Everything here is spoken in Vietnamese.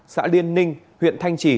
xã liên ninh huyện thanh trì